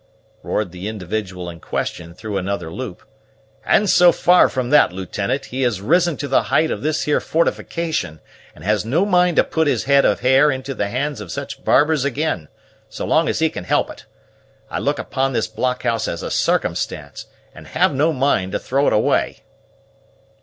roared the individual in question through another loop; "and so far from that, Lieutenant, he has risen to the height of this here fortification, and has no mind to put his head of hair into the hands of such barbers again, so long as he can help it. I look upon this blockhouse as a circumstance, and have no mind to throw it away."